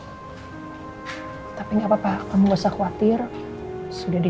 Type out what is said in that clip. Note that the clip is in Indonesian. punya ikatan batinnya masih sangat kuat tapi nggak papa kamu nggak usah khawatir sudah di